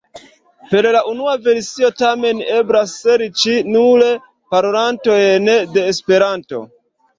Per la unua versio tamen eblas serĉi nur parolantojn de Esperanto.